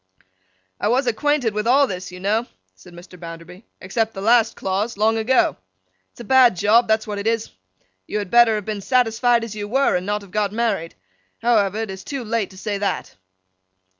'I was acquainted with all this, you know,' said Mr. Bounderby, 'except the last clause, long ago. It's a bad job; that's what it is. You had better have been satisfied as you were, and not have got married. However, it's too late to say that.